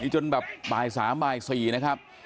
จนแบบบ่ายสามบ่ายสี่นะครับ